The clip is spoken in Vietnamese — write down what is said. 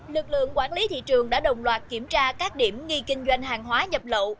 lực lượng quản lý thị trường đã đồng loạt kiểm tra các điểm nghi kinh doanh hàng hóa nhập lậu